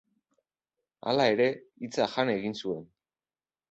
Hala ere, hitza jan egin zuen.